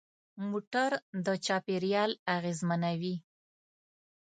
موټر د چاپېریال اغېزمنوي.